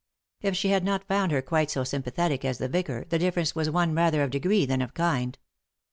If she had not found her quite so sympathetic as the vicar, the difference was one rather of degree than of kind.